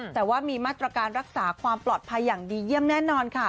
แต่ว่ามีมาตรการรักษาความปลอดภัยอย่างดีเยี่ยมแน่นอนค่ะ